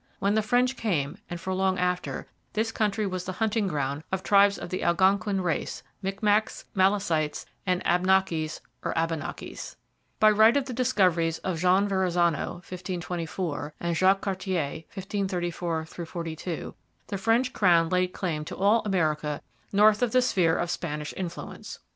When the French came, and for long after, this country was the hunting ground of tribes of the Algonquin race Micmacs, Malecites, and Abnakis or Abenakis. By right of the discoveries of Jean Verrazano (1524) and Jacques Cartier (1534 42) the French crown laid claim to all America north of the sphere of Spanish influence.